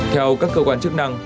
theo các cơ quan chức năng